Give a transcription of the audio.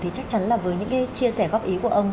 thì chắc chắn là với những chia sẻ góp ý của ông